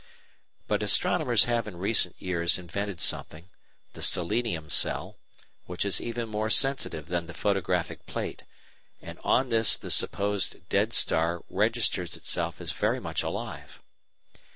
But astronomers have in recent years invented something, the "selenium cell," which is even more sensitive than the photographic plate, and on this the supposed dead star registers itself as very much alive.